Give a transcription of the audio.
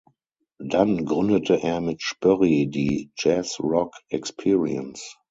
Dann gründete er mit Spoerri die „Jazz Rock Experience“.